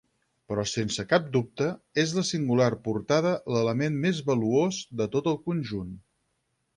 Però sense cap dubte, és la singular portada l'element més valuós de tot el conjunt.